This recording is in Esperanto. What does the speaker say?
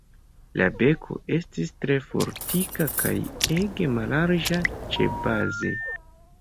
La beko estis tre fortika kaj ege mallarĝa ĉebaze.